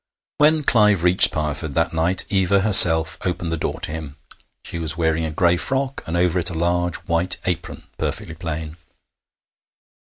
When Clive reached Pireford that night, Eva herself opened the door to him. She was wearing a gray frock, and over it a large white apron, perfectly plain.